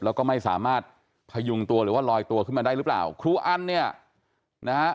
แล้วก็ไม่สามารถพยุงตัวหรือว่าลอยตัวขึ้นมาได้หรือเปล่าครูอันเนี่ยนะฮะ